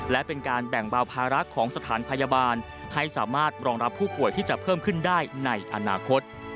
และเป็นการแบ่งเบาภาระของสถานพยาบาลให้สามารถรองรับผู้ป่วยที่จะเพิ่มขึ้นได้ในอนาคต